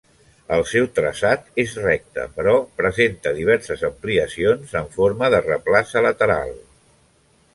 El seu traçat és recte, però presenta diverses ampliacions en forma de replaça lateral.